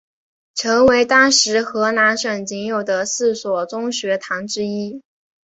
成为当时河南省仅有的四所中学堂之一。